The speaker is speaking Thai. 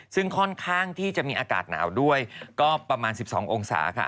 ซึ่งค่อนข้างที่จะมีอากาศหนาวด้วยก็ประมาณ๑๒องศาค่ะ